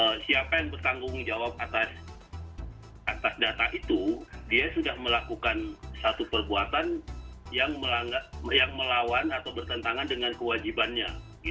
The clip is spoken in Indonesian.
karena siapa yang bertanggung jawab atas data itu dia sudah melakukan satu perbuatan yang melawan atau bertentangan dengan kewajibannya